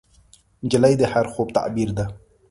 نجلۍ د هر خوب تعبیر ده.